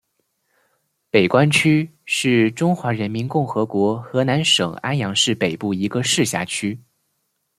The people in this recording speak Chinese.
北关区是中华人民共和国河南省安阳市北部一个市辖区。